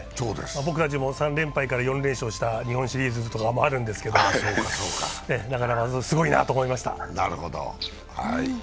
僕たちも３連敗から４連勝した日本シリーズとかもあるんですけど、なかなかすごいなと思いました。